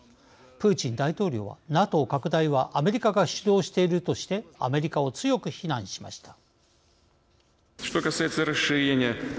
プーチン大統領はＮＡＴＯ拡大はアメリカが主導しているとしてアメリカを強く非難しました。